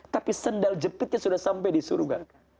tapi sendal jepitnya sudah sampai di surga